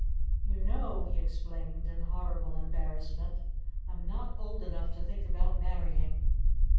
"You know," he explained, in horrible embarrassment, "I'm not old enough to think about marrying."